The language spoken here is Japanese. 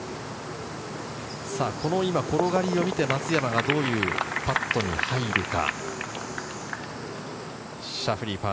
この転がりを見て松山がどういうパットに入るか。